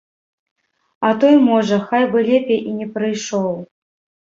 А той, можа, хай бы лепей і не прыйшоў.